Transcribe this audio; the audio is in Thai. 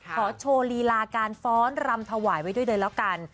ขอโชว์ลีลาการฟ้อนรำถวายไว้ด้วยเลยแล้วกัน